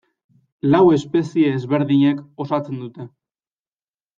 Lau espezie ezberdinek osatzen dute.